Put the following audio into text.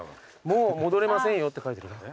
・「もう戻れませんよ」って書いてるかも。